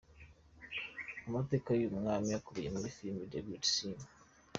Amateka y’uyu mwami akubiye muri filime The Great Seer.